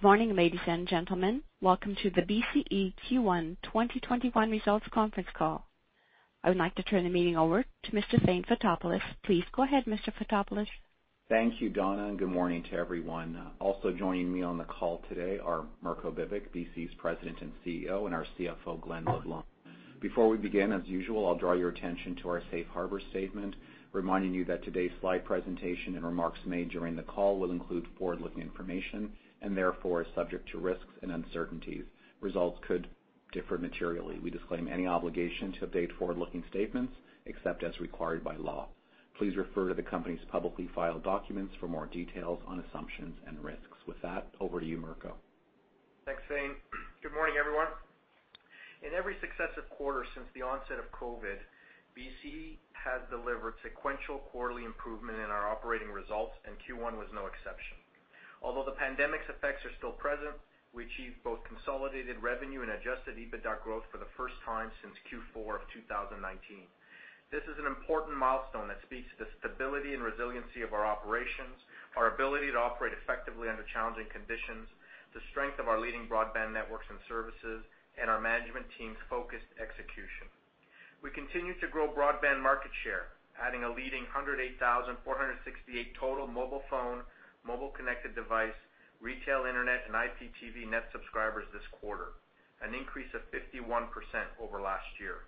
Good morning, ladies and gentlemen. Welcome to the BCE Q1 2021 results conference call. I would like to turn the meeting over to Mr. Thane Fotopoulos. Please go ahead, Mr. Fotopoulos. Thank you, Donna, and good morning to everyone. Also joining me on the call today are Mirko Bibic, BCE's President and CEO, and our CFO, Glen LeBlanc. Before we begin, as usual, I'll draw your attention to our safe harbor statement, reminding you that today's slide presentation and remarks made during the call will include forward-looking information and therefore is subject to risks and uncertainties. Results could differ materially. We disclaim any obligation to update forward-looking statements except as required by law. Please refer to the company's publicly filed documents for more details on assumptions and risks. With that, over to you, Mirko. Thanks, Thane. Good morning, everyone. In every successive quarter since the onset of COVID, BCE has delivered sequential quarterly improvement in our operating results, and Q1 was no exception. Although the pandemic's effects are still present, we achieved both consolidated revenue and adjusted EBITDA growth for the first time since Q4 of 2019. This is an important milestone that speaks to the stability and resiliency of our operations, our ability to operate effectively under challenging conditions, the strength of our leading broadband networks and services, and our management team's focused execution. We continue to grow broadband market share, adding a leading 108,468 total mobile phone, mobile-connected device, retail internet, and IPTV net subscribers this quarter, an increase of 51% over last year.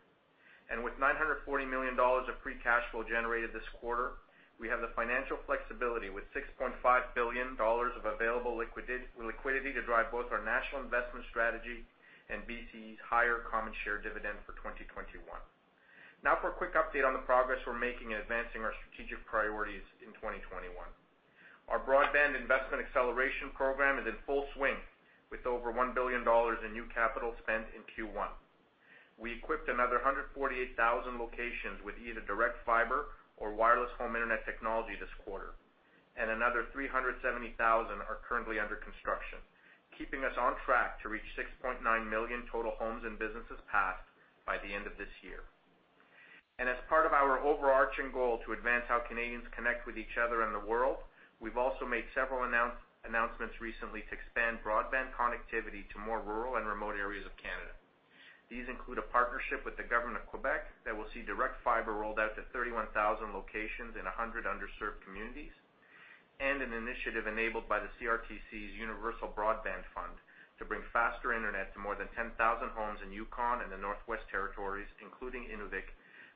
With $940 million of free cash flow generated this quarter, we have the financial flexibility with $6.5 billion of available liquidity to drive both our national investment strategy and BCE's higher common share dividend for 2021. Now for a quick update on the progress we are making in advancing our strategic priorities in 2021. Our broadband investment acceleration program is in full swing, with over $1 billion in new capital spent in Q1. We equipped another 148,000 locations with either direct fiber or Wireless Home Internet technology this quarter, and another 370,000 are currently under construction, keeping us on track to reach 6.9 million total homes and businesses passed by the end of this year. As part of our overarching goal to advance how Canadians connect with each other and the world, we've also made several announcements recently to expand broadband connectivity to more rural and remote areas of Canada. These include a partnership with the government of Quebec that will see direct fiber rolled out to 31,000 locations in 100 underserved communities, and an initiative enabled by the CRTC's Universal Broadband Fund to bring faster internet to more than 10,000 homes in Yukon and the Northwest Territories, including Inuvik,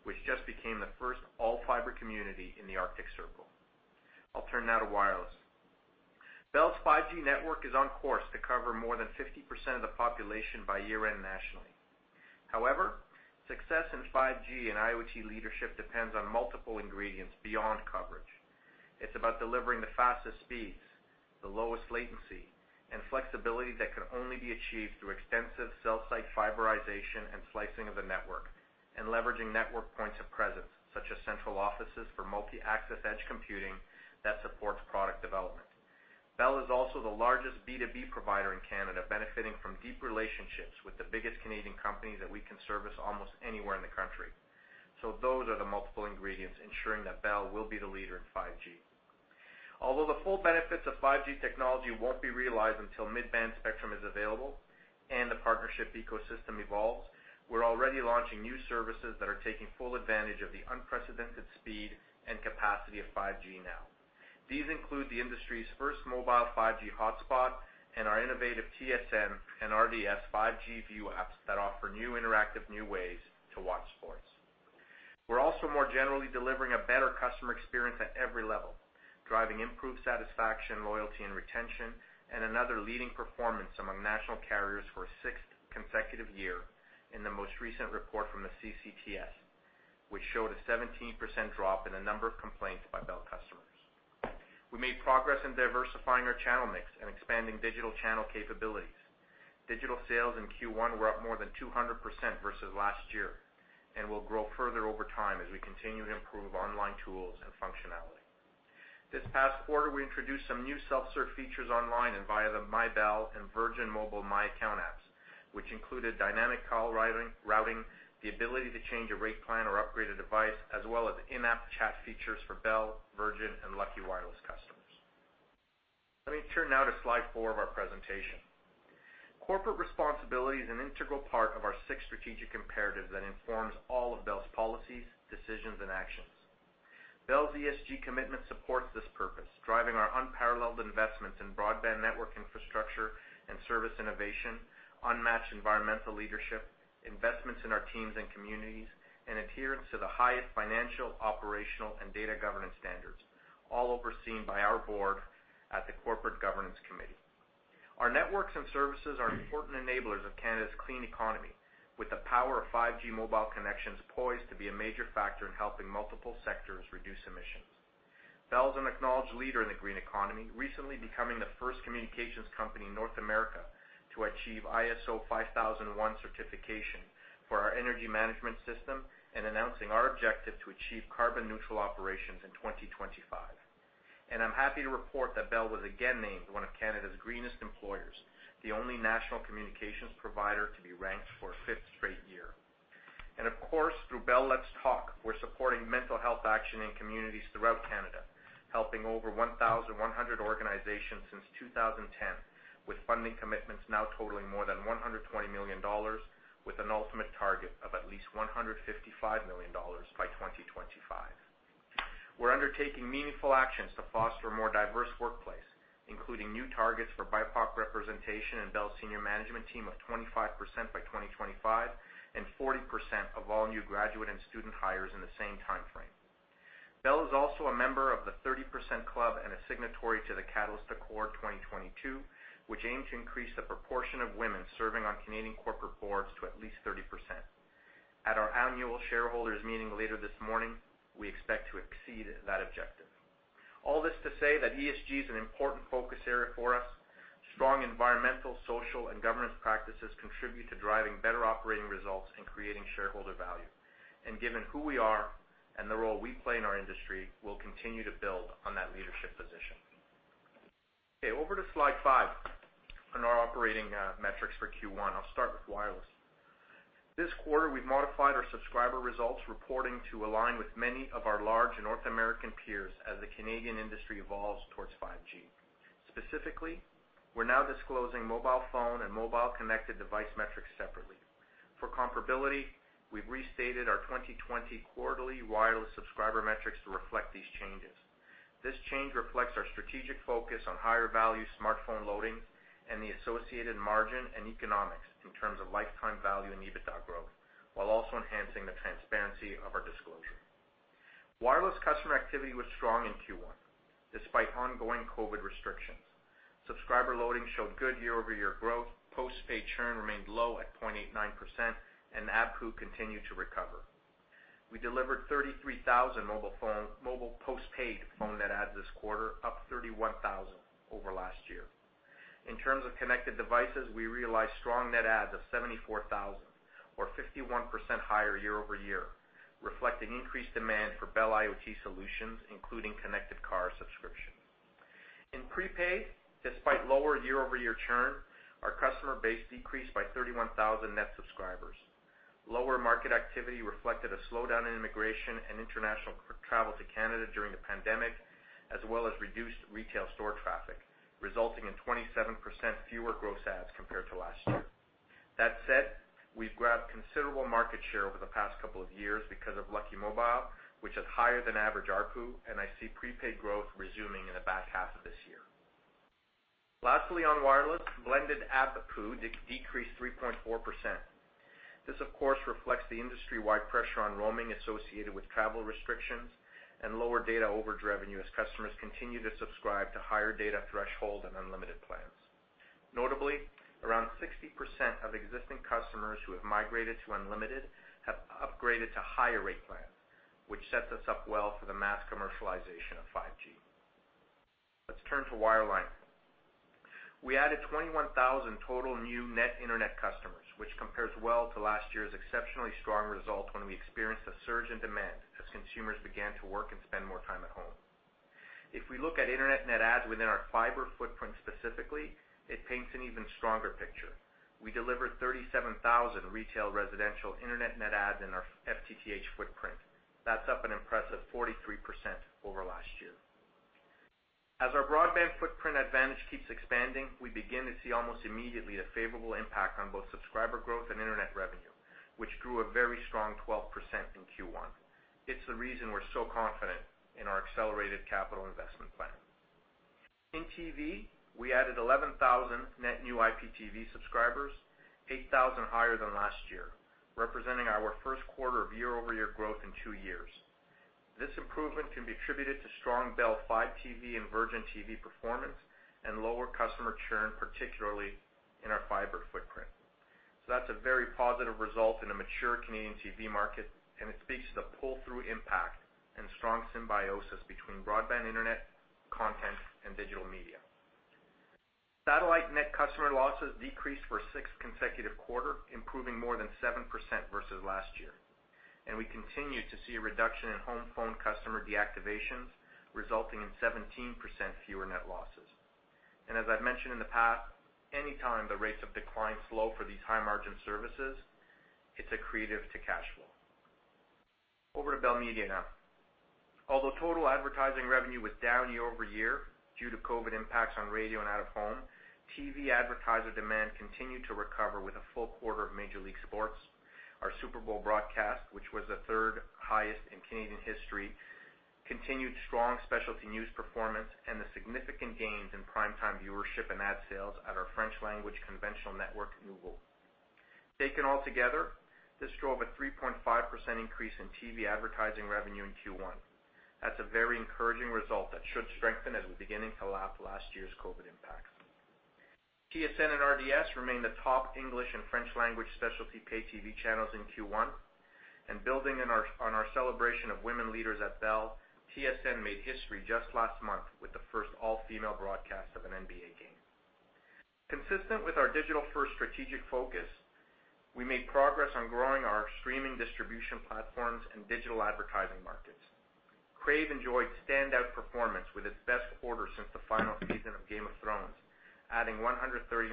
which just became the first all-fiber community in the Arctic Circle. I'll turn now to wireless. Bell's 5G network is on course to cover more than 50% of the population by year-end nationally. However, success in 5G and IoT leadership depends on multiple ingredients beyond coverage. It's about delivering the fastest speeds, the lowest latency, and flexibility that can only be achieved through extensive cell site fiberization and slicing of the network, and leveraging network points of presence, such as central offices for multi-access edge computing that supports product development. Bell is also the largest B2B provider in Canada, benefiting from deep relationships with the biggest Canadian companies that we can service almost anywhere in the country. Those are the multiple ingredients ensuring that Bell will be the leader in 5G. Although the full benefits of 5G technology won't be realized until mid-band spectrum is available and the partnership ecosystem evolves, we're already launching new services that are taking full advantage of the unprecedented speed and capacity of 5G now. These include the industry's first mobile 5G hotspot and our innovative TSN and RDS 5G View apps that offer new interactive new ways to watch sports. We're also more generally delivering a better customer experience at every level, driving improved satisfaction, loyalty, and retention, and another leading performance among national carriers for a sixth consecutive year in the most recent report from the CCTS, which showed a 17% drop in the number of complaints by Bell customers. We made progress in diversifying our channel mix and expanding digital channel capabilities. Digital sales in Q1 were up more than 200% versus last year and will grow further over time as we continue to improve online tools and functionality. This past quarter, we introduced some new self-serve features online and via the MyBell and Virgin Mobile My Account apps, which included dynamic call routing, the ability to change a rate plan or upgrade a device, as well as in-app chat features for Bell, Virgin, and Lucky Wireless customers. Let me turn now to slide four of our presentation. Corporate responsibility is an integral part of our six strategic imperatives that informs all of Bell's policies, decisions, and actions. Bell's ESG commitment supports this purpose, driving our unparalleled investments in broadband network infrastructure and service innovation, unmatched environmental leadership, investments in our teams and communities, and adherence to the highest financial, operational, and data governance standards, all overseen by our board at the Corporate Governance Committee. Our networks and services are important enablers of Canada's clean economy, with the power of 5G mobile connections poised to be a major factor in helping multiple sectors reduce emissions. Bell is an acknowledged leader in the green economy, recently becoming the first communications company in North America to achieve ISO 5001 certification for our energy management system and announcing our objective to achieve carbon-neutral operations in 2025. I am happy to report that Bell was again named one of Canada's greenest employers, the only national communications provider to be ranked for a fifth straight year. Of course, through Bell Let's Talk, we are supporting mental health action in communities throughout Canada, helping over 1,100 organizations since 2010, with funding commitments now totaling more than 120 million dollars, with an ultimate target of at least $155 million by 2025. We're undertaking meaningful actions to foster a more diverse workplace, including new targets for BIPOC representation in Bell's senior management team of 25% by 2025 and 40% of all new graduate and student hires in the same timeframe. Bell is also a member of the 30% Club and a signatory to the Catalyst Accord 2022, which aimed to increase the proportion of women serving on Canadian corporate boards to at least 30%. At our annual shareholders' meeting later this morning, we expect to exceed that objective. All this to say that ESG is an important focus area for us. Strong environmental, social, and governance practices contribute to driving better operating results and creating shareholder value. Given who we are and the role we play in our industry, we'll continue to build on that leadership position. Okay, over to slide five on our operating metrics for Q1. I'll start with wireless. This quarter, we've modified our subscriber results reporting to align with many of our large North American peers as the Canadian industry evolves towards 5G. Specifically, we're now disclosing mobile phone and mobile-connected device metrics separately. For comparability, we've restated our 2020 quarterly wireless subscriber metrics to reflect these changes. This change reflects our strategic focus on higher value smartphone loading and the associated margin and economics in terms of lifetime value and EBITDA growth, while also enhancing the transparency of our disclosure. Wireless customer activity was strong in Q1 despite ongoing COVID restrictions. Subscriber loading showed good year-over-year growth. Postpaid churn remained low at 0.89%, and ABPU continued to recover. We delivered 33,000 mobile postpaid phone net adds this quarter, up 31,000 over last year. In terms of connected devices, we realized strong net adds of 74,000, or 51% higher year-over-year, reflecting increased demand for Bell IoT solutions, including connected car subscriptions. In prepaid, despite lower year-over-year churn, our customer base decreased by 31,000 net subscribers. Lower market activity reflected a slowdown in immigration and international travel to Canada during the pandemic, as well as reduced retail store traffic, resulting in 27% fewer gross adds compared to last year. That said, we've grabbed considerable market share over the past couple of years because of Lucky Mobile, which has higher-than-average ABPU, and I see prepaid growth resuming in the back half of this year. Lastly, on wireless, blended ABPU decreased 3.4%. This, of course, reflects the industry-wide pressure on roaming associated with travel restrictions and lower data overage revenue as customers continue to subscribe to higher data threshold and unlimited plans. Notably, around 60% of existing customers who have migrated to unlimited have upgraded to higher rate plans, which sets us up well for the mass commercialization of 5G. Let's turn to wireline. We added 21,000 total new net internet customers, which compares well to last year's exceptionally strong result when we experienced a surge in demand as consumers began to work and spend more time at home. If we look at internet net adds within our fiber footprint specifically, it paints an even stronger picture. We delivered 37,000 retail residential internet net adds in our FTTH footprint. That's up an impressive 43% over last year. As our broadband footprint advantage keeps expanding, we begin to see almost immediately a favorable impact on both subscriber growth and internet revenue, which grew a very strong 12% in Q1. It's the reason we're so confident in our accelerated capital investment plan. In TV, we added 11,000 net new IPTV subscribers, 8,000 higher than last year, representing our first quarter of year-over-year growth in two years. This improvement can be attributed to strong Bell Fibe TV and Virgin TV performance and lower customer churn, particularly in our fiber footprint. That is a very positive result in a mature Canadian TV market, and it speaks to the pull-through impact and strong symbiosis between broadband internet, content, and digital media. Satellite net customer losses decreased for a sixth consecutive quarter, improving more than 7% versus last year. We continue to see a reduction in home phone customer deactivations, resulting in 17% fewer net losses. As I've mentioned in the past, anytime the rates of decline slow for these high-margin services, it is accretive to cash flow. Over to Bell Media now. Although total advertising revenue was down year-over-year due to COVID impacts on radio and out-of-home, TV advertiser demand continued to recover with a full quarter of Major League Sports. Our Super Bowl broadcast, which was the third highest in Canadian history, continued strong specialty news performance and the significant gains in prime-time viewership and ad sales at our French-language conventional network, Noovo. Taken all together, this drove a 3.5% increase in TV advertising revenue in Q1. That's a very encouraging result that should strengthen as we begin to lap last year's COVID impacts. TSN and RDS remain the top English and French-language specialty pay TV channels in Q1. Building on our celebration of women leaders at Bell, TSN made history just last month with the first all-female broadcast of an NBA game. Consistent with our digital-first strategic focus, we made progress on growing our streaming distribution platforms and digital advertising markets. Crave enjoyed standout performance with its best quarter since the final season of Game of Thrones, adding 139,000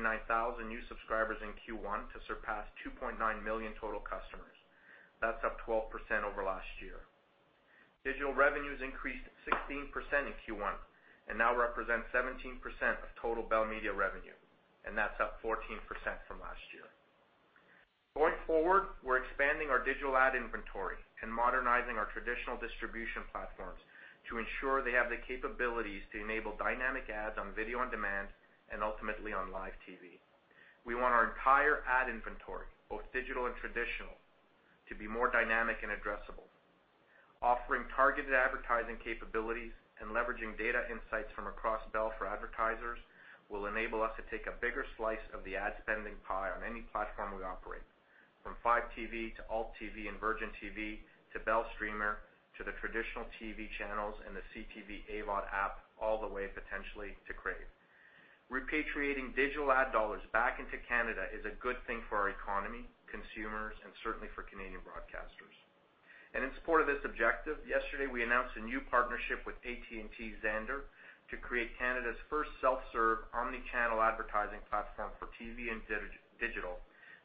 new subscribers in Q1 to surpass 2.9 million total customers. That's up 12% over last year. Digital revenues increased 16% in Q1 and now represent 17% of total Bell Media revenue, and that's up 14% from last year. Going forward, we're expanding our digital ad inventory and modernizing our traditional distribution platforms to ensure they have the capabilities to enable dynamic ads on video on demand and ultimately on live TV. We want our entire ad inventory, both digital and traditional, to be more dynamic and addressable. Offering targeted advertising capabilities and leveraging data insights from across Bell for advertisers will enable us to take a bigger slice of the ad spending pie on any platform we operate, from Fibe TV, Alt TV, and Virgin TV, along with Bell Streamer, the traditional TV channels, and the CTV AVOD app, all the way potentially to Crave. Repatriating digital ad dollars back into Canada is a good thing for our economy, consumers, and certainly for Canadian broadcasters. In support of this objective, yesterday we announced a new partnership with AT&T Xandr to create Canada's first self-serve omnichannel advertising platform for TV and digital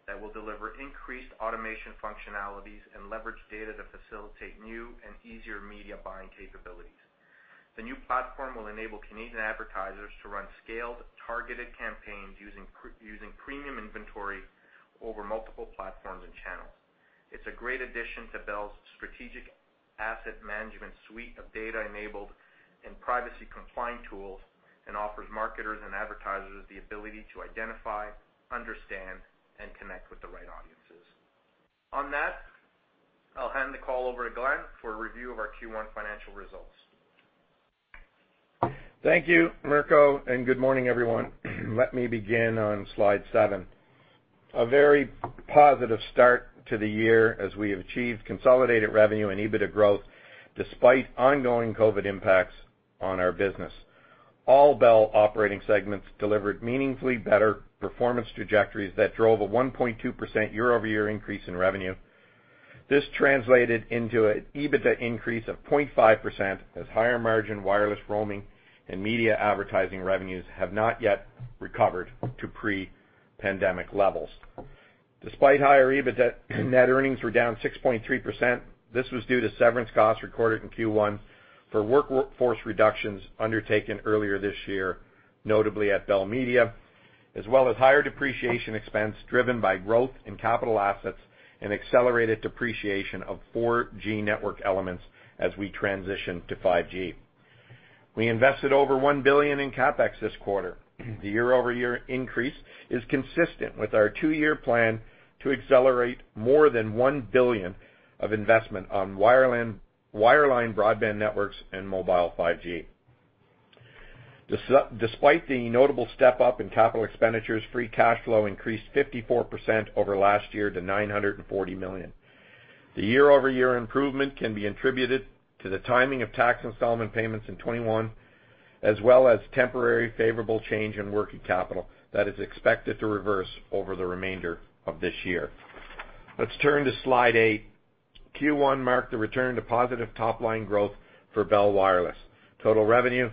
that will deliver increased automation functionalities and leverage data to facilitate new and easier media buying capabilities. The new platform will enable Canadian advertisers to run scaled, targeted campaigns using premium inventory over multiple platforms and channels. It's a great addition to Bell's strategic asset management suite of data-enabled and privacy-complying tools and offers marketers and advertisers the ability to identify, understand, and connect with the right audiences. On that, I'll hand the call over to Glen for a review of our Q1 financial results. Thank you, Mirko, and good morning, everyone. Let me begin on slide seven. A very positive start to the year as we have achieved consolidated revenue and EBITDA growth despite ongoing COVID impacts on our business. All Bell operating segments delivered meaningfully better performance trajectories that drove a 1.2% year-over-year increase in revenue. This translated into an EBITDA increase of 0.5% as higher margin wireless roaming and media advertising revenues have not yet recovered to pre-pandemic levels. Despite higher EBITDA, net earnings were down 6.3%. This was due to severance costs recorded in Q1 for workforce reductions undertaken earlier this year, notably at Bell Media, as well as higher depreciation expense driven by growth in capital assets and accelerated depreciation of 4G network elements as we transition to 5G. We invested over 1 billion in CapEx this quarter. The year-over-year increase is consistent with our two-year plan to accelerate more than 1 billion of investment on wireline broadband networks and mobile 5G. Despite the notable step-up in capital expenditures, free cash flow increased 54% over last year to 940 million. The year-over-year improvement can be attributed to the timing of tax installment payments in 2021, as well as temporary favorable change in working capital that is expected to reverse over the remainder of this year. Let's turn to slide eight. Q1 marked the return to positive top-line growth for Bell Wireless. Total revenue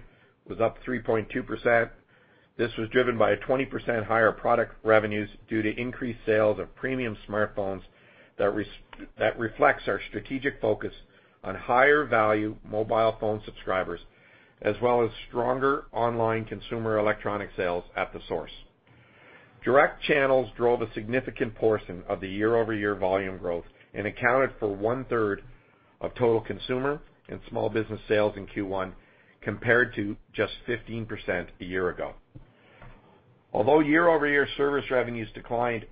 was up 3.2%. This was driven by 20% higher product revenues due to increased sales of premium smartphones that reflects our strategic focus on higher-value mobile phone subscribers, as well as stronger online consumer electronic sales at The Source. Direct channels drove a significant portion of the year-over-year volume growth and accounted for one-third of total consumer and small business sales in Q1, compared to just 15% a year ago. Although year-over-year service revenues declined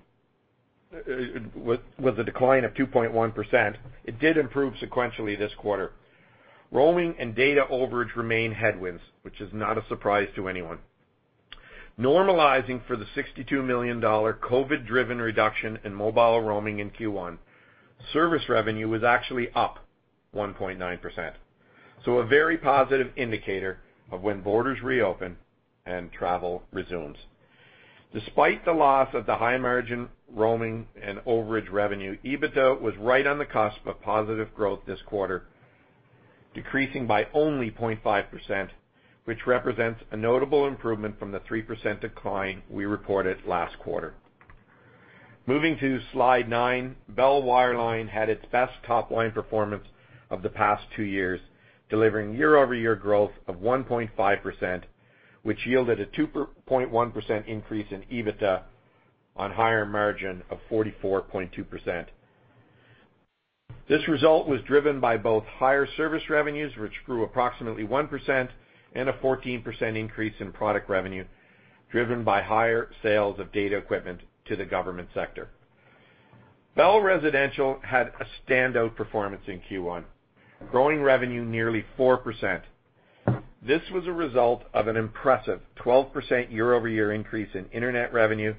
with a decline of 2.1%, it did improve sequentially this quarter. Roaming and data overage remain headwinds, which is not a surprise to anyone. Normalizing for the $62 million COVID-driven reduction in mobile roaming in Q1, service revenue was actually up 1.9%. A very positive indicator of when borders reopen and travel resumes. Despite the loss of the high-margin roaming and overage revenue, EBITDA was right on the cusp of positive growth this quarter, decreasing by only 0.5%, which represents a notable improvement from the 3% decline we reported last quarter. Moving to slide nine, Bell Wireline had its best top-line performance of the past two years, delivering year-over-year growth of 1.5%, which yielded a 2.1% increase in EBITDA on higher margin of 44.2%. This result was driven by both higher service revenues, which grew approximately 1%, and a 14% increase in product revenue driven by higher sales of data equipment to the government sector. Bell Residential had a standout performance in Q1, growing revenue nearly 4%. This was a result of an impressive 12% year-over-year increase in internet revenue,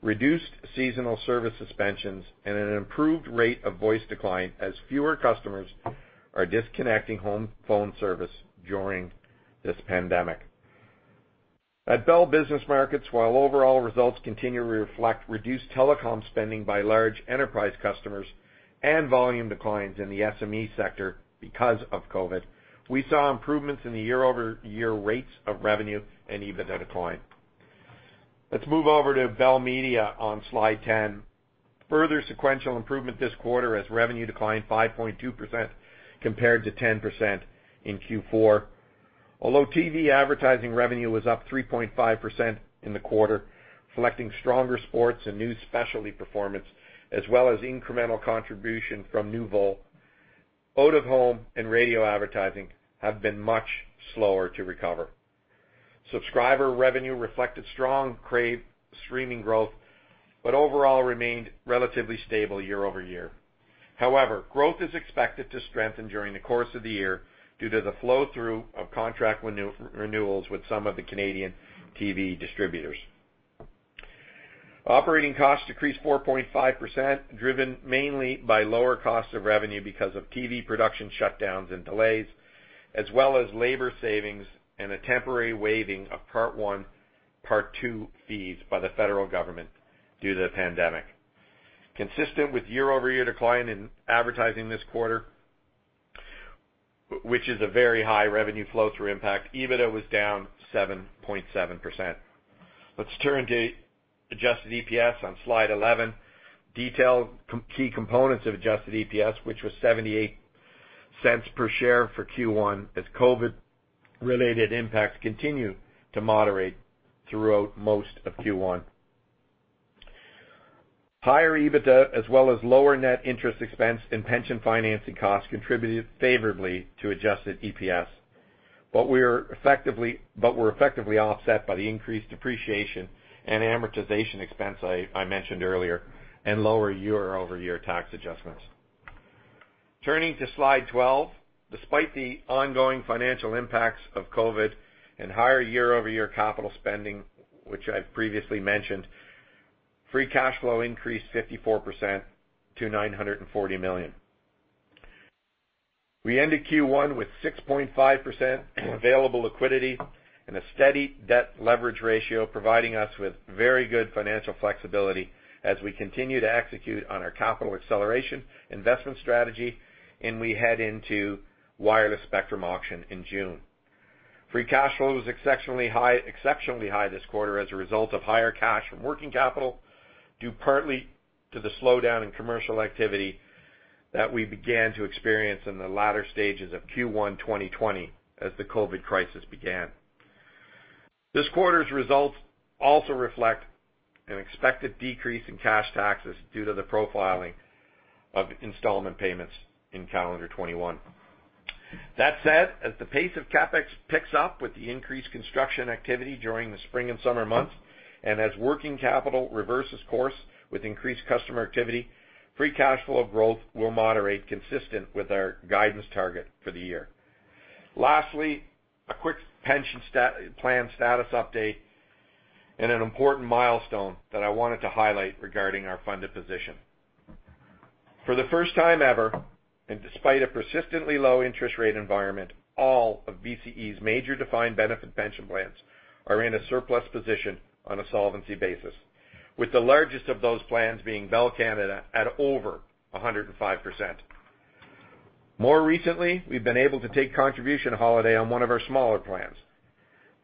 reduced seasonal service suspensions, and an improved rate of voice decline as fewer customers are disconnecting home phone service during this pandemic. At Bell Business Markets, while overall results continue to reflect reduced telecom spending by large enterprise customers and volume declines in the SME sector because of COVID, we saw improvements in the year-over-year rates of revenue and EBITDA decline. Let's move over to Bell Media on slide ten. Further sequential improvement this quarter as revenue declined 5.2% compared to 10% in Q4. Although TV advertising revenue was up 3.5% in the quarter, reflecting stronger sports and new specialty performance, as well as incremental contribution from Noovo, OTT, home, and radio advertising have been much slower to recover. Subscriber revenue reflected strong Crave streaming growth, but overall remained relatively stable year-over-year. However, growth is expected to strengthen during the course of the year due to the flow-through of contract renewals with some of the Canadian TV distributors. Operating costs decreased 4.5%, driven mainly by lower costs of revenue because of TV production shutdowns and delays, as well as labor savings and a temporary waiving of Part I and Part II fees by the federal government due to the pandemic. Consistent with year-over-year decline in advertising this quarter, which is a very high revenue flow-through impact, EBITDA was down 7.7%. Let's turn to adjusted EPS on slide 11. Detail key components of adjusted EPS, which was $0.78 per share for Q1, as COVID-related impacts continue to moderate throughout most of Q1. Higher EBITDA, as well as lower net interest expense and pension financing costs, contributed favorably to adjusted EPS, but were effectively offset by the increased depreciation and amortization expense I mentioned earlier and lower year-over-year tax adjustments. Turning to slide 12, despite the ongoing financial impacts of COVID and higher year-over-year capital spending, which I've previously mentioned, free cash flow increased 54% to 940 million. We ended Q1 with 6.5% available liquidity and a steady debt leverage ratio, providing us with very good financial flexibility as we continue to execute on our capital acceleration investment strategy, and we head into wireless spectrum auction in June. Free cash flow was exceptionally high this quarter as a result of higher cash from working capital due partly to the slowdown in commercial activity that we began to experience in the latter stages of Q1 2020 as the COVID crisis began. This quarter's results also reflect an expected decrease in cash taxes due to the profiling of installment payments in calendar 2021. That said, as the pace of CapEx picks up with the increased construction activity during the spring and summer months and as working capital reverses course with increased customer activity, free cash flow growth will moderate consistent with our guidance target for the year. Lastly, a quick pension plan status update and an important milestone that I wanted to highlight regarding our funded position. For the first time ever and despite a persistently low interest rate environment, all of BCE's major defined benefit pension plans are in a surplus position on a solvency basis, with the largest of those plans being Bell Canada at over 105%. More recently, we've been able to take contribution holiday on one of our smaller plans.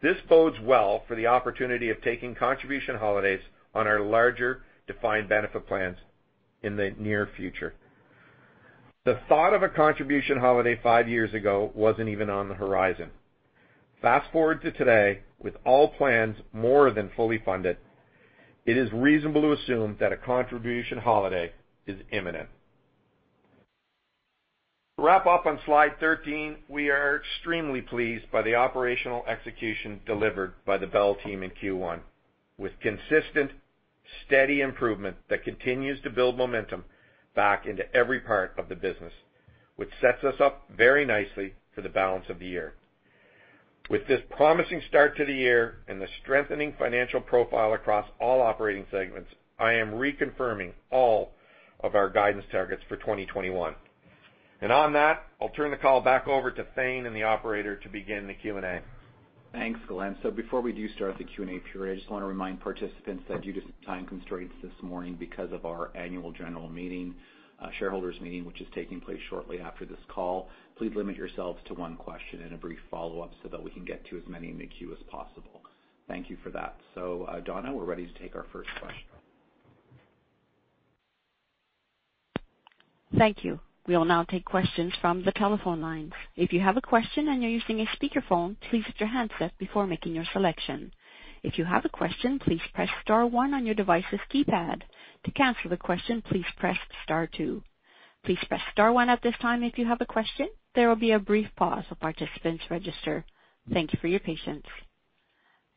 This bodes well for the opportunity of taking contribution holidays on our larger defined benefit plans in the near future. The thought of a contribution holiday five years ago was not even on the horizon. Fast forward to today, with all plans more than fully funded, it is reasonable to assume that a contribution holiday is imminent. To wrap up on slide 13, we are extremely pleased by the operational execution delivered by the Bell team in Q1, with consistent, steady improvement that continues to build momentum back into every part of the business, which sets us up very nicely for the balance of the year. With this promising start to the year and the strengthening financial profile across all operating segments, I am reconfirming all of our guidance targets for 2021. I will turn the call back over to Thane and the operator to begin the Q&A. Thanks, Glen. Before we do start the Q&A period, I just want to remind participants that due to some time constraints this morning because of our annual general meeting, shareholders' meeting, which is taking place shortly after this call, please limit yourselves to one question and a brief follow-up so that we can get to as many in the queue as possible. Thank you for that. Donna, we're ready to take our first question. Thank you. We will now take questions from the telephone lines. If you have a question and you're using a speakerphone, please put your hands up before making your selection. If you have a question, please press star one on your device's keypad. To cancel the question, please press star two. Please press star one at this time if you have a question. There will be a brief pause while participants register. Thank you for your patience.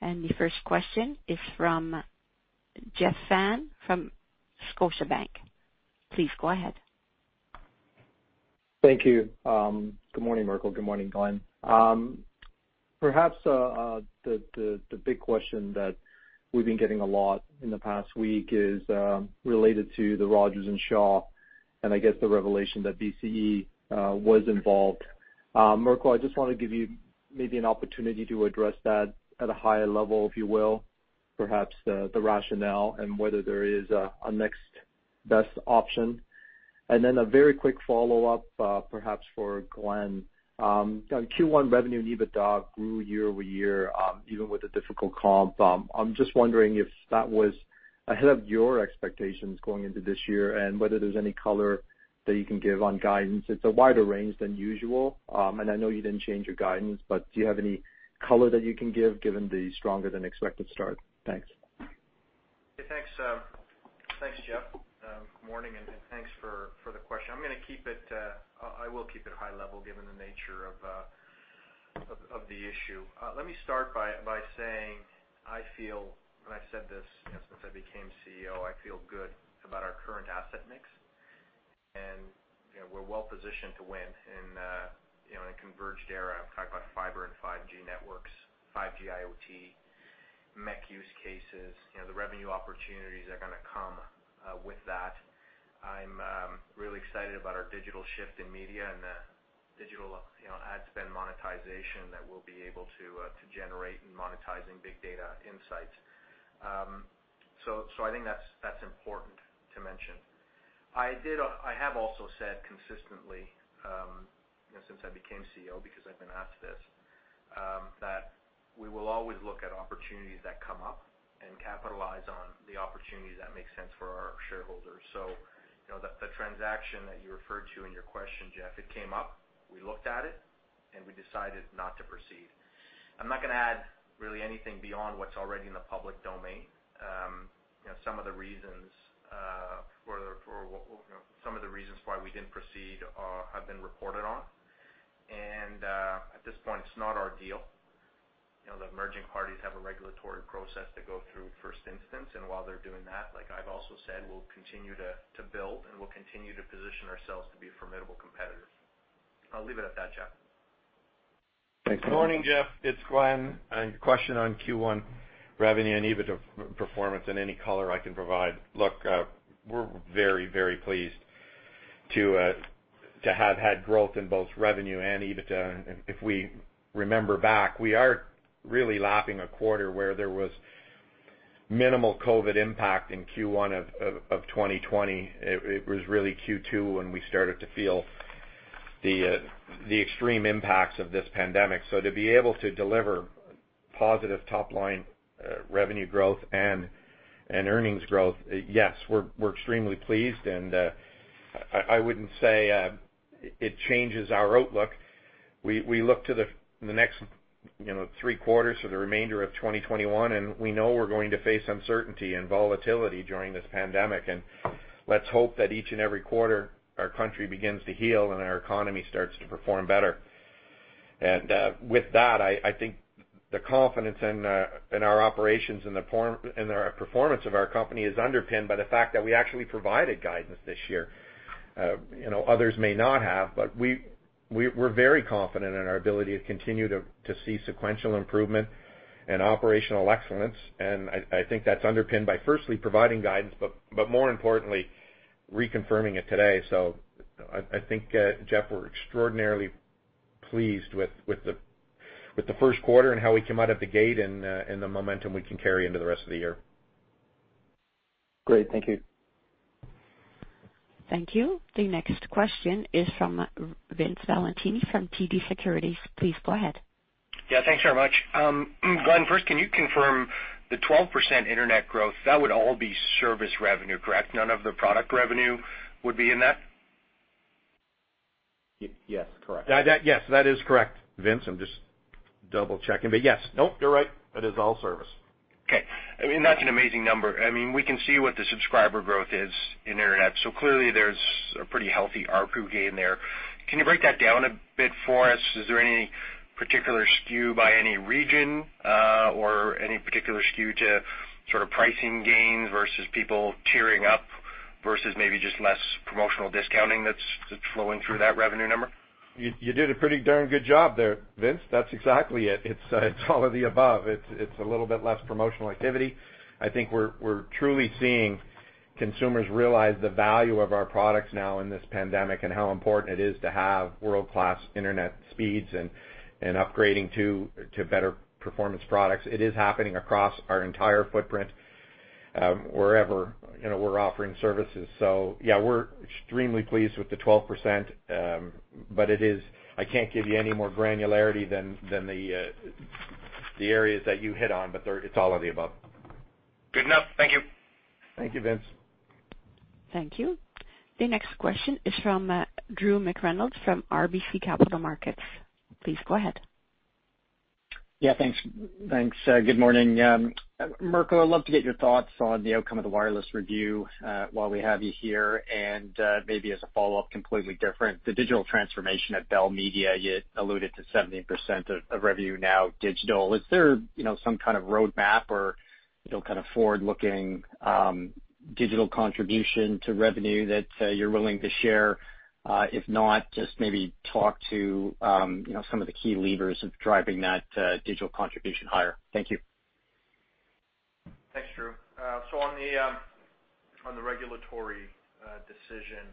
The first question is from Jeff Thane from Scotiabank. Please go ahead. Thank you. Good morning, Mirko. Good morning, Glen. Perhaps the big question that we've been getting a lot in the past week is related to the Rogers and Shaw and, I guess, the revelation that BCE was involved. Mirko, I just want to give you maybe an opportunity to address that at a higher level, if you will, perhaps the rationale and whether there is a next best option. A very quick follow-up, perhaps for Glen. Q1 revenue and EBITDA grew year-over-year, even with a difficult comp. I'm just wondering if that was ahead of your expectations going into this year and whether there's any color that you can give on guidance. It's a wider range than usual. I know you did not change your guidance, but do you have any color that you can give given the stronger-than-expected start? Thanks. Thanks, Jeff. Good morning and thanks for the question. I am going to keep it high level given the nature of the issue. Let me start by saying I feel, and I have said this since I became CEO, I feel good about our current asset mix. We are well-positioned to win in a converged era. I am talking about fiber and 5G networks, 5G IoT, MEC use cases. The revenue opportunities are going to come with that. I am really excited about our digital shift in media and the digital ad spend monetization that we will be able to generate in monetizing big data insights. I think that is important to mention. I have also said consistently since I became CEO, because I've been asked this, that we will always look at opportunities that come up and capitalize on the opportunities that make sense for our shareholders. The transaction that you referred to in your question, Jeff, it came up, we looked at it, and we decided not to proceed. I'm not going to add really anything beyond what's already in the public domain. Some of the reasons for some of the reasons why we didn't proceed have been reported on. At this point, it's not our deal. The emerging parties have a regulatory process to go through first instance. While they're doing that, like I've also said, we'll continue to build and we'll continue to position ourselves to be a formidable competitor. I'll leave it at that, Jeff. Thanks. Good morning, Jeff. It's Glen. A question on Q1 revenue and EBITDA performance and any color I can provide. Look, we are very, very pleased to have had growth in both revenue and EBITDA. If we remember back, we are really lapping a quarter where there was minimal COVID impact in Q1 of 2020. It was really Q2 when we started to feel the extreme impacts of this pandemic. To be able to deliver positive top-line revenue growth and earnings growth, yes, we are extremely pleased. I would not say it changes our outlook. We look to the next three quarters or the remainder of 2021, and we know we are going to face uncertainty and volatility during this pandemic. Let us hope that each and every quarter our country begins to heal and our economy starts to perform better. With that, I think the confidence in our operations and the performance of our company is underpinned by the fact that we actually provided guidance this year. Others may not have, but we're very confident in our ability to continue to see sequential improvement and operational excellence. I think that's underpinned by firstly providing guidance, but more importantly, reconfirming it today. I think, Jeff, we're extraordinarily pleased with the first quarter and how we came out of the gate and the momentum we can carry into the rest of the year. Great. Thank you. Thank you. The next question is from Vince Valentini from TD Securities. Please go ahead. Yeah. Thanks very much. Glen, first, can you confirm the 12% internet growth? That would all be service revenue, correct? None of the product revenue would be in that? Yes. Correct. Yes. That is correct. Vince, I'm just double-checking. Yes. Nope. You're right. It is all service. Okay. I mean, that's an amazing number. I mean, we can see what the subscriber growth is in internet. Clearly, there's a pretty healthy ARPU gain there. Can you break that down a bit for us? Is there any particular skew by any region or any particular skew to sort of pricing gains versus people tearing up versus maybe just less promotional discounting that's flowing through that revenue number? You did a pretty darn good job there, Vince. That's exactly it. It's all of the above. It's a little bit less promotional activity. I think we're truly seeing consumers realize the value of our products now in this pandemic and how important it is to have world-class internet speeds and upgrading to better performance products. It is happening across our entire footprint wherever we're offering services. Yeah, we're extremely pleased with the 12%, but I can't give you any more granularity than the areas that you hit on, but it's all of the above. Good enough. Thank you. Thank you, Vince. Thank you. The next question is from Drew McReynolds from RBC Capital Markets. Please go ahead. Yeah. Thanks. Good morning. Mirko, I'd love to get your thoughts on the outcome of the wireless review while we have you here. Maybe as a follow-up, completely different, the digital transformation at Bell Media, you alluded to 70% of revenue now digital. Is there some kind of roadmap or kind of forward-looking digital contribution to revenue that you're willing to share? If not, just maybe talk to some of the key levers of driving that digital contribution higher. Thank you. Thanks, Drew. On the regulatory decision,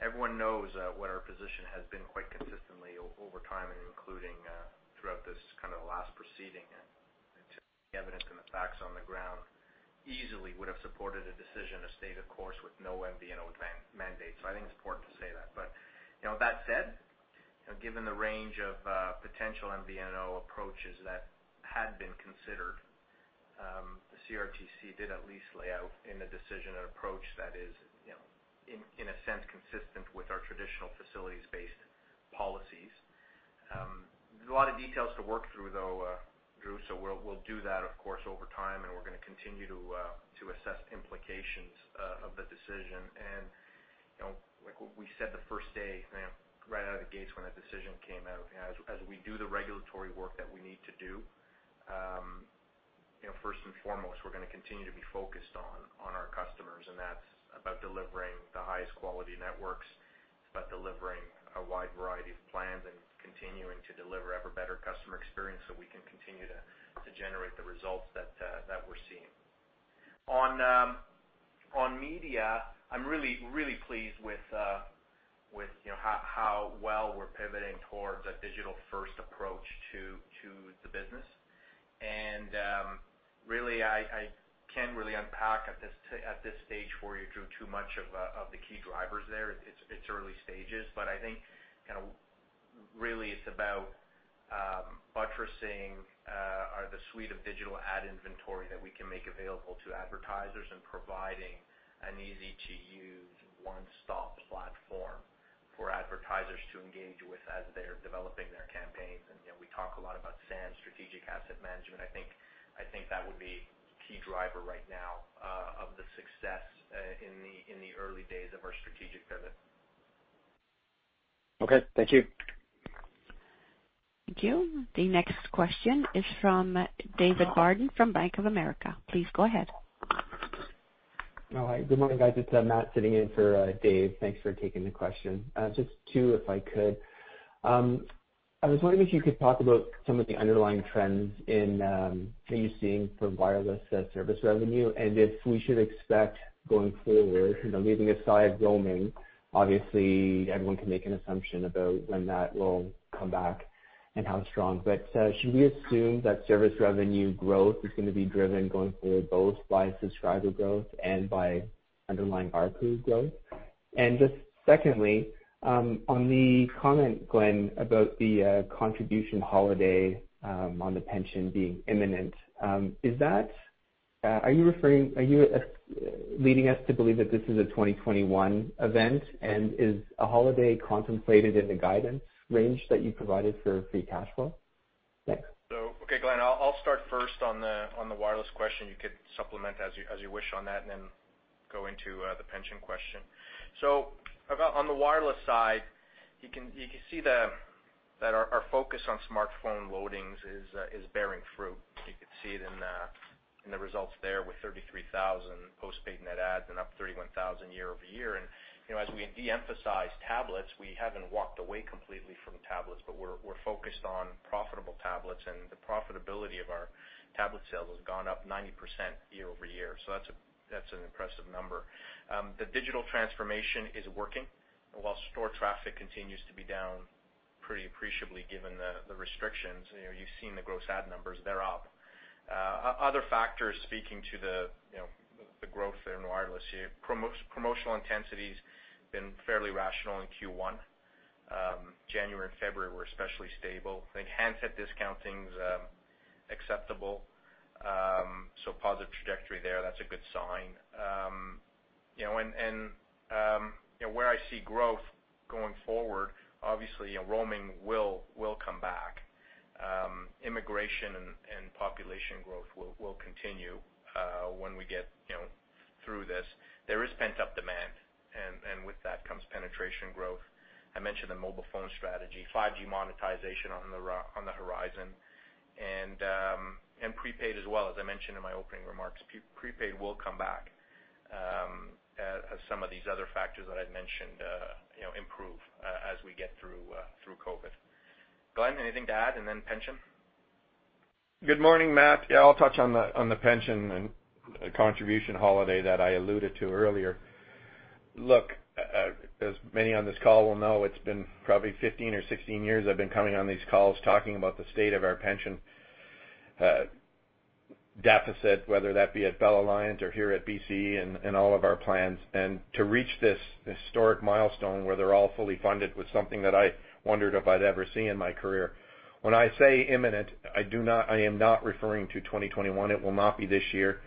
everyone knows what our position has been quite consistently over time and including throughout this kind of last proceeding to the evidence and the facts on the ground easily would have supported a decision to stay the course with no MVNO mandate. I think it's important to say that. That said, given the range of potential MVNO approaches that had been considered, the CRTC did at least lay out in a decision an approach that is, in a sense, consistent with our traditional facilities-based policies. There are a lot of details to work through, though, Drew. We will do that, of course, over time, and we're going to continue to assess implications of the decision. Like we said the first day, right out of the gates when the decision came out, as we do the regulatory work that we need to do, first and foremost, we're going to continue to be focused on our customers. That's about delivering the highest quality networks. It's about delivering a wide variety of plans and continuing to deliver ever better customer experience so we can continue to generate the results that we're seeing. On media, I'm really, really pleased with how well we're pivoting towards a digital-first approach to the business. I can't really unpack at this stage for you, Drew, too much of the key drivers there. It's early stages. I think kind of really it's about buttressing the suite of digital ad inventory that we can make available to advertisers and providing an easy-to-use one-stop platform for advertisers to engage with as they're developing their campaigns. We talk a lot about SAM, strategic asset management. I think that would be a key driver right now of the success in the early days of our strategic pivot. Okay. Thank you. Thank you. The next question is from David Barden from Bank of America. Please go ahead. Hi. Good morning, guys. It's Matt sitting in for Dave. Thanks for taking the question. Just two, if I could. I was wondering if you could talk about some of the underlying trends that you're seeing for wireless service revenue and if we should expect going forward, leaving aside roaming, obviously, everyone can make an assumption about when that will come back and how strong. Should we assume that service revenue growth is going to be driven going forward both by subscriber growth and by underlying ARPU growth? Just secondly, on the comment, Glen, about the contribution holiday on the pension being imminent, are you leading us to believe that this is a 2021 event? Is a holiday contemplated in the guidance range that you provided for free cash flow? Thanks. Okay, Glen. I'll start first on the wireless question. You could supplement as you wish on that and then go into the pension question. On the wireless side, you can see that our focus on smartphone loadings is bearing fruit. You could see it in the results there with 33,000 postpaid net adds and up 31,000 year-over-year. As we de-emphasize tablets, we have not walked away completely from tablets, but we are focused on profitable tablets. The profitability of our tablet sales has gone up 90% year over year. That is an impressive number. The digital transformation is working while store traffic continues to be down pretty appreciably given the restrictions. You have seen the gross add numbers. They are up. Other factors speaking to the growth in wireless here, promotional intensity has been fairly rational in Q1. January and February were especially stable. I think handset discounting is acceptable. Positive trajectory there. That is a good sign. Where I see growth going forward, obviously, roaming will come back. Immigration and population growth will continue when we get through this. There is pent-up demand, and with that comes penetration growth. I mentioned the mobile phone strategy, 5G monetization on the horizon, and prepaid as well, as I mentioned in my opening remarks. Prepaid will come back as some of these other factors that I've mentioned improve as we get through COVID. Glen, anything to add? Then pension. Good morning, Matt. Yeah. I'll touch on the pension and contribution holiday that I alluded to earlier. Look, as many on this call will know, it's been probably 15 or 16 years I've been coming on these calls talking about the state of our pension deficit, whether that be at Bell Alliant or here at BCE and all of our plans. To reach this historic milestone where they're all fully funded was something that I wondered if I'd ever see in my career. When I say imminent, I am not referring to 2021. It will not be this year.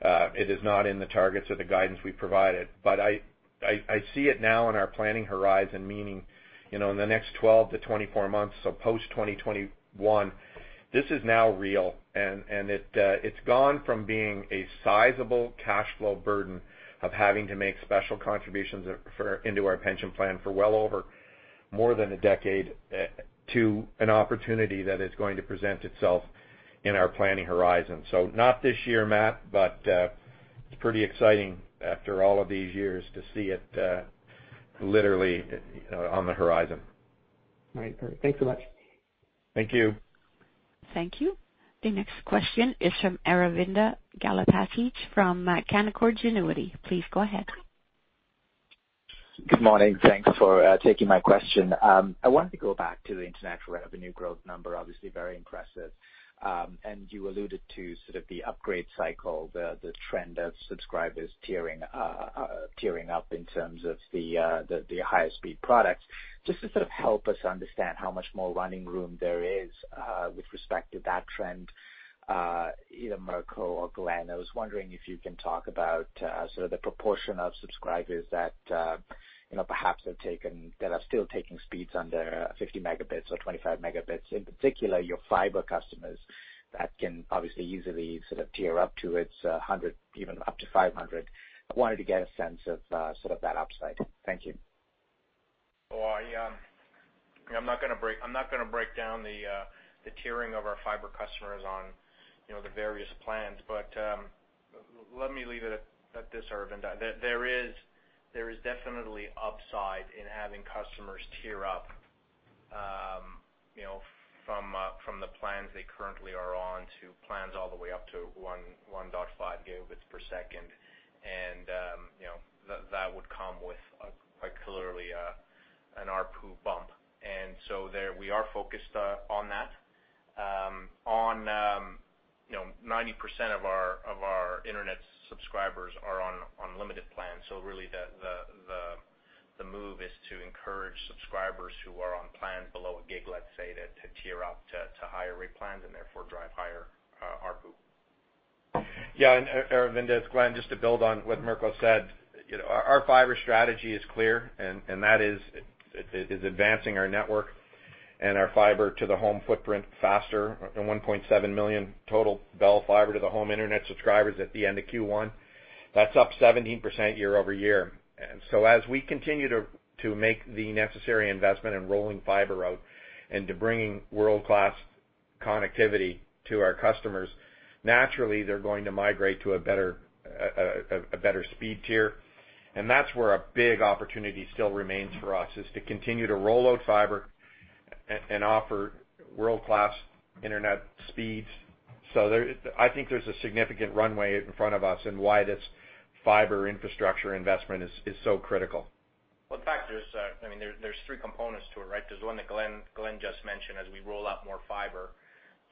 It is not in the targets or the guidance we provided. I see it now in our planning horizon, meaning in the next 12- 24 months, so post-2021, this is now real. It has gone from being a sizable cash flow burden of having to make special contributions into our pension plan for well over more than a decade to an opportunity that is going to present itself in our planning horizon. Not this year, Matt, but it's pretty exciting after all of these years to see it literally on the horizon. All right. Perfect. Thanks so much. Thank you. Thank you. The next question is from Aravinda Galappatthige from Canaccord Genuity. Please go ahead. Good morning. Thanks for taking my question. I wanted to go back to the international revenue growth number. Obviously, very impressive. You alluded to sort of the upgrade cycle, the trend of subscribers tiering up in terms of the highest-speed products. Just to sort of help us understand how much more running room there is with respect to that trend, either Mirko or Glen, I was wondering if you can talk about sort of the proportion of subscribers that perhaps are still taking speeds under 50 megabits or 25 megabits, in particular your fiber customers that can obviously easily sort of tier up to, say, 100, even up to 500. I wanted to get a sense of sort of that upside. Thank you. I'm not going to break down the tiering of our fiber customers on the various plans, but let me leave it at this, Aravinda. There is definitely upside in having customers tier up from the plans they currently are on to plans all the way up to 1.5 gigabits per second. That would come with quite clearly an ARPU bump. We are focused on that. Ninety percent of our internet subscribers are on unlimited plans. Really, the move is to encourage subscribers who are on plans below a gig, let's say, to tier up to higher rate plans and therefore drive higher ARPU. Yeah. Aravinda, Glen, just to build on what Mirko said, our fiber strategy is clear, and that is advancing our network and our fiber to the home footprint faster than 1.7 million total Bell fiber to the home internet subscribers at the end of Q1. That is up 17% year over year. As we continue to make the necessary investment in rolling fiber out and to bringing world-class connectivity to our customers, naturally, they are going to migrate to a better speed tier. That is where a big opportunity still remains for us, to continue to roll out fiber and offer world-class internet speeds. I think there is a significant runway in front of us and why this fiber infrastructure investment is so critical. In fact, there are three components to it, right? There's one that Glen just mentioned as we roll out more fiber,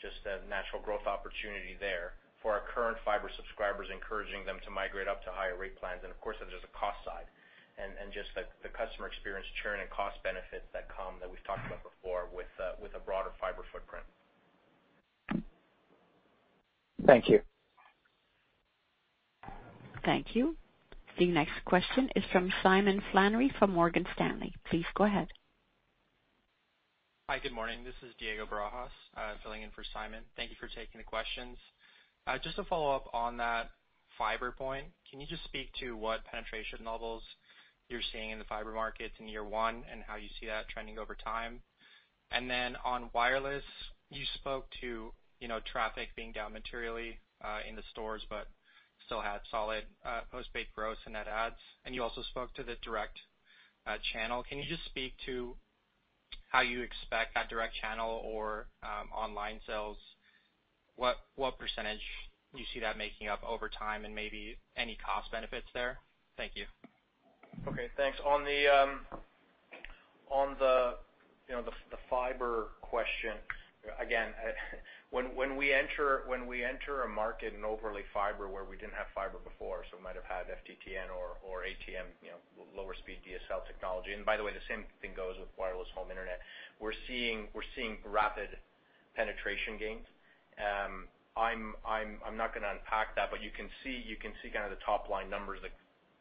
just a natural growth opportunity there for our current fiber subscribers, encouraging them to migrate up to higher rate plans. Of course, there's a cost side and just the customer experience churn and cost benefits that come that we've talked about before with a broader fiber footprint. Thank you. Thank you. The next question is from Simon Flannery from Morgan Stanley. Please go ahead. Hi. Good morning. This is Diego Barajas. I'm filling in for Simon. Thank you for taking the questions. Just to follow up on that fiber point, can you just speak to what penetration levels you're seeing in the fiber markets in year one and how you see that trending over time? On wireless, you spoke to traffic being down materially in the stores, but still had solid postpaid growth and net adds. You also spoke to the direct channel. Can you just speak to how you expect that direct channel or online sales, what percentage you see that making up over time and maybe any cost benefits there? Thank you. Okay. Thanks. On the fiber question, again, when we enter a market in overlay fiber where we did not have fiber before, so we might have had FTTN or ATM, lower speed DSL technology. By the way, the same thing goes with wireless home internet. We are seeing rapid penetration gains. I am not going to unpack that, but you can see kind of the top-line numbers,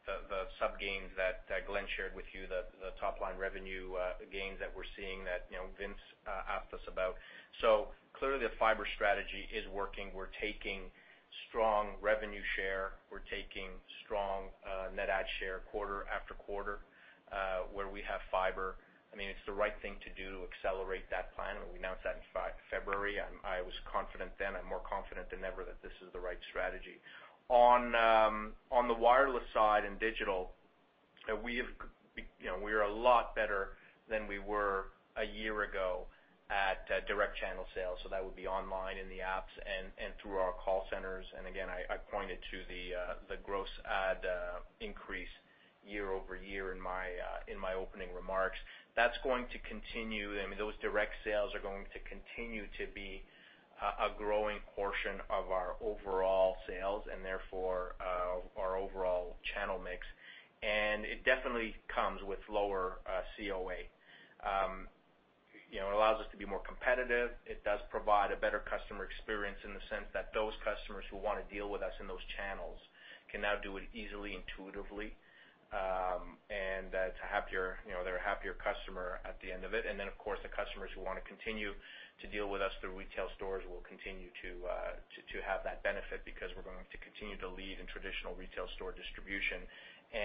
the sub-gains that Glen shared with you, the top-line revenue gains that we are seeing that Vince asked us about. Clearly, the fiber strategy is working. We're taking strong revenue share. We're taking strong net ad share quarter after quarter where we have fiber. I mean, it's the right thing to do to accelerate that plan. We announced that in February. I was confident then. I'm more confident than ever that this is the right strategy. On the wireless side and digital, we are a lot better than we were a year ago at direct channel sales. That would be online in the apps and through our call centers. I pointed to the gross ad increase year over year in my opening remarks. That's going to continue. I mean, those direct sales are going to continue to be a growing portion of our overall sales and therefore our overall channel mix. It definitely comes with lower COA. It allows us to be more competitive. It does provide a better customer experience in the sense that those customers who want to deal with us in those channels can now do it easily, intuitively, and to have their happier customer at the end of it. Of course, the customers who want to continue to deal with us through retail stores will continue to have that benefit because we're going to continue to lead in traditional retail store distribution. Th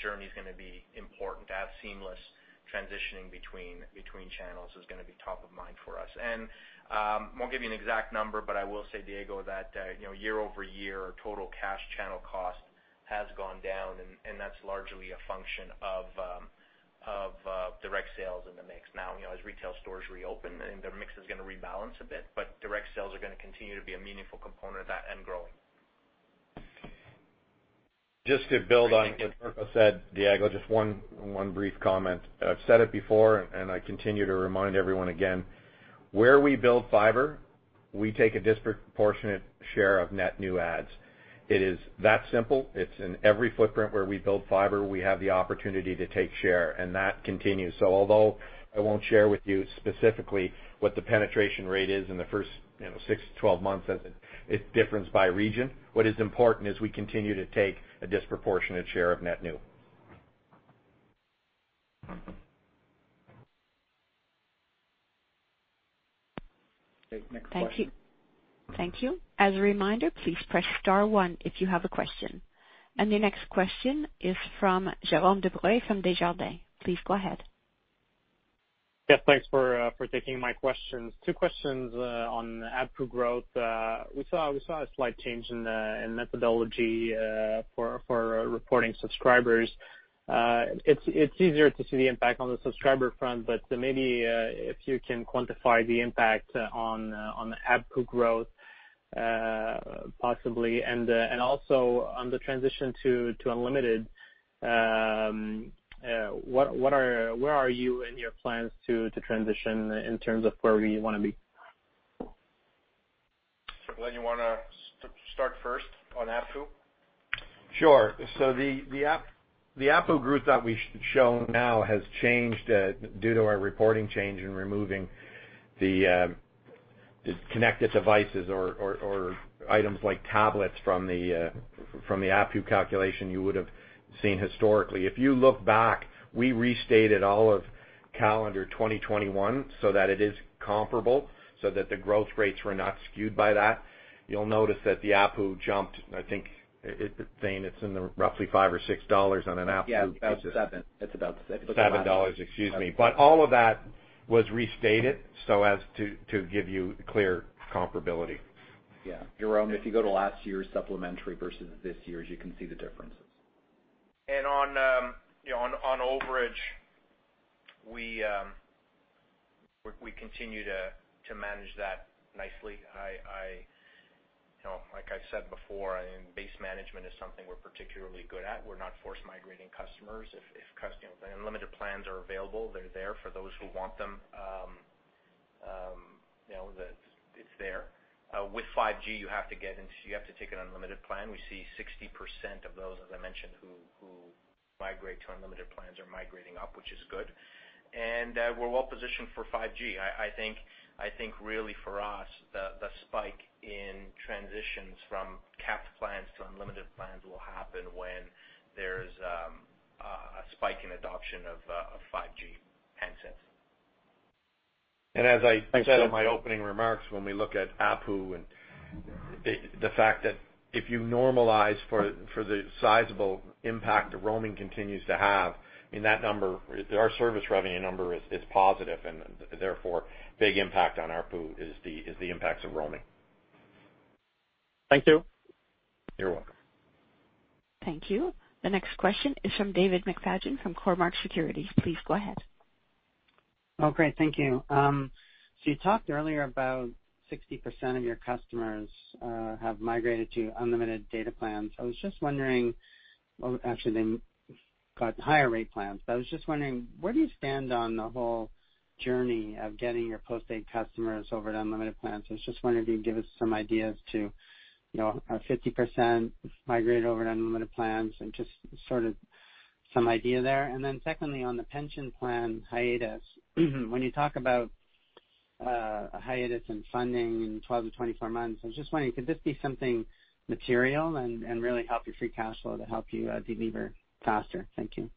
journey is going to be important. That seamless transitioning between channels is going to be top of mind for us. I won't give you an exact number, but I will say, Diego, that year over year, total cash channel cost has gone down, and that's largely a function of direct sales in the mix. Now, as retail stores reopen, I think the mix is going to rebalance a bit, but direct sales are going to continue to be a meaningful component of that and growing. Just to build on what Mirko said, Diego, just one brief comment. I've said it before, and I continue to remind everyone again. Where we build fiber, we take a disproportionate share of net new adds. It is that simple. It is in every footprint where we build fiber, we have the opportunity to take share, and that continues. Although I won't share with you specifically what the penetration rate is in the first 6 12 months as it differs by region, what is important is we continue to take a disproportionate share of net new. Okay. Next question. Thank you. As a reminder, please press star one if you have a question. The next question is from Jérôme Dubreuil from Desjardins. Please go ahead. Yes. Thanks for taking my questions. Two questions on ABPU growth. We saw a slight change in methodology for reporting subscribers. It's easier to see the impact on the subscriber front, but maybe if you can quantify the impact on ABPU growth, possibly, and also on the transition to unlimited, where are you in your plans to transition in terms of where we want to be? Glen, you want to start first on ABPU? Sure. The ABPU growth that we show now has changed due to our reporting change and removing the connected devices or items like tablets from the ABPU calculation you would have seen historically. If you look back, we restated all of calendar 2021 so that it is comparable, so that the growth rates were not skewed by that. You'll notice that the ABPU jumped, I think, it's in the roughly $5 or $6 on an absolute basis. Yeah. It's about 7. It's about 7. $7, excuse me. But all of that was restated so as to give you clear comparability. Yeah. Jérôme, if you go to last year's supplementary versus this year's, you can see the differences. And on overage, we continue to manage that nicely. Like I said before, base management is something we're particularly good at. We're not force-migrating customers. If unlimited plans are available, they're there for those who want them. It's there. With 5G, you have to get into you have to take an unlimited plan. We see 60% of those, as I mentioned, who migrate to unlimited plans are migrating up, which is good. And we're well positioned for 5G. I think really for us, the spike in transitions from capped plans to unlimited plans will happen when there's a spike in adoption of 5G handsets. As I said in my opening remarks, when we look at ABPU and the fact that if you normalize for the sizable impact that roaming continues to have, I mean, that number, our service revenue number is positive, and therefore big impact on ARPU is the impacts of roaming. Thank you. You're welcome. Thank you. The next question is from David McFadgen from Cormark Securities. Please go ahead. Great. Thank you. You talked earlier about 60% of your customers have migrated to unlimited data plans. I was just wondering actually, they got higher rate plans. I was just wondering, where do you stand on the whole journey of getting your postpaid customers over to unlimited plans? I was just wondering if you'd give us some ideas to 50% migrate over to unlimited plans and just sort of some idea there. Then secondly, on the pension plan hiatus, when you talk about a hiatus in funding in 12-24 months, I was just wondering, could this be something material and really help your free cash flow to help you deliver faster? Thank you.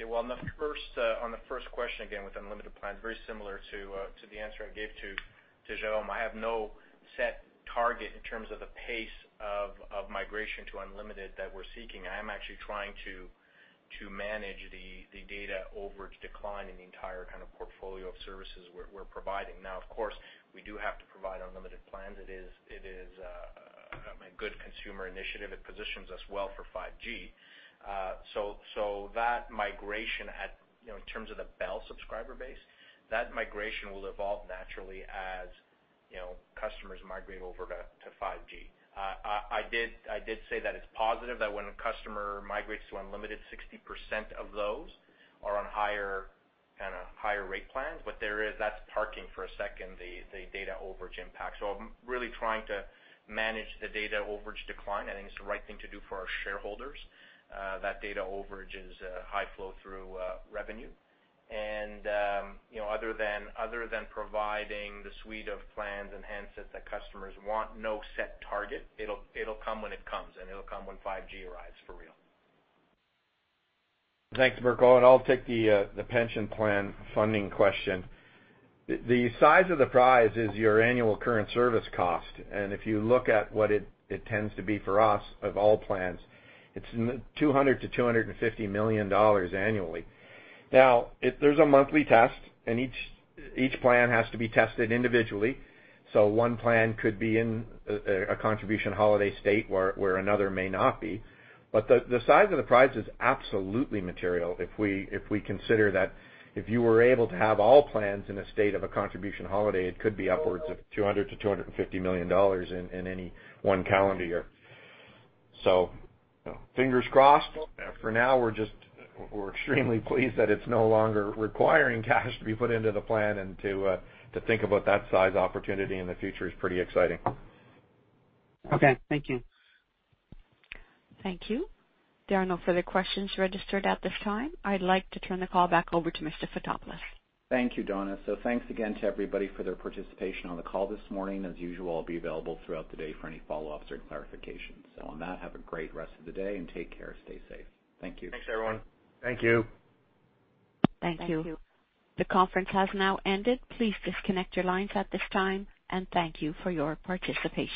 Okay. On the first question again with unlimited plans, very similar to the answer I gave to Jérôme, I have no set target in terms of the pace of migration to unlimited that we're seeking. I am actually trying to manage the data overage decline in the entire kind of portfolio of services we're providing. Now, of course, we do have to provide unlimited plans. It is a good consumer initiative. It positions us well for 5G. That migration in terms of the Bell subscriber base, that migration will evolve naturally as customers migrate over to 5G. I did say that it's positive that when a customer migrates to unlimited, 60% of those are on higher rate plans, but that's parking for a second, the data overage impact. I am really trying to manage the data overage decline. I think it's the right thing to do for our shareholders. That data overage is high flow-through revenue. Other than providing the suite of plans and handsets that customers want, no set target. It'll come when it comes, and it'll come when 5G arrives for real. Thanks, Mirko. I'll take the pension plan funding question. The size of the prize is your annual current service cost. If you look at what it tends to be for us of all plans, it's 200 million-250 million dollars annually. Now, there's a monthly test, and each plan has to be tested individually. One plan could be in a contribution holiday state where another may not be. The size of the prize is absolutely material if we consider that if you were able to have all plans in a state of a contribution holiday, it could be upwards of 200 million-250 million dollars in any one calendar year. Fingers crossed. For now, we're extremely pleased that it's no longer requiring cash to be put into the plan, and to think about that size opportunity in the future is pretty exciting. Thank you. Thank you. There are no further questions registered at this time. I'd like to turn the call back over to Mr. Thank you, Donna. Thank you again to everybody for their participation on the call this morning. As usual, I'll be available throughout the day for any follow-ups or clarifications. On that, have a great rest of the day and take care. Stay safe. Thank you. Thanks, everyone. Thank you. Thank you. The conference has now ended. Please disconnect your lines at this time, and thank you for your participation.